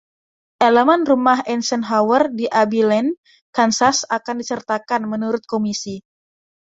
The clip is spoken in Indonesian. Elemen rumah Eisenhower di Abilene, Kansas akan disertakan, menurut komisi.